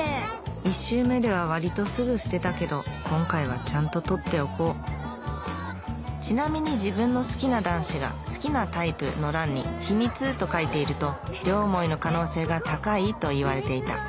１周目では割とすぐ捨てたけど今回はちゃんと取っておこうちなみに自分の好きな男子が好きなタイプの欄に「秘密」と書いていると両思いの可能性が高いといわれていた